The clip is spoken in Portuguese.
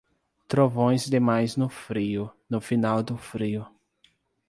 Trovões demais no frio, no final do frio.